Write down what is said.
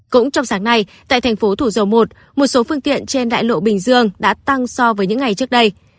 cũng trong sáng nay tại thành phố thủ dầu một một số phương tiện trên đại lộ bình dương đã tăng so với những ngày trước đây